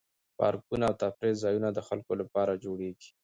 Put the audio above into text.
پارکونه او تفریح ځایونه د خلکو لپاره جوړیږي.